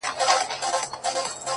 • مګر زه خو قاتل نه یمه سلطان یم,